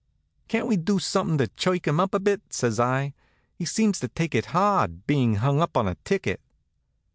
"Can't we do something to chirk him up a bit?" says I. "He seems to take it hard, being hung up on a ticket."